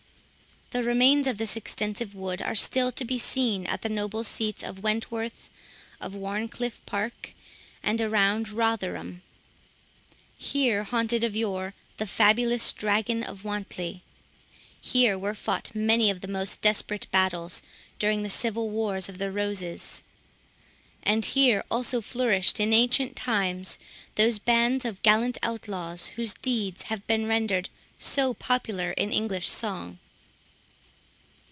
The remains of this extensive wood are still to be seen at the noble seats of Wentworth, of Warncliffe Park, and around Rotherham. Here haunted of yore the fabulous Dragon of Wantley; here were fought many of the most desperate battles during the Civil Wars of the Roses; and here also flourished in ancient times those bands of gallant outlaws, whose deeds have been rendered so popular in English song.